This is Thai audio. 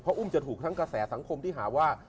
อุ้มจะถูกทั้งกระแสสังคมที่หาว่า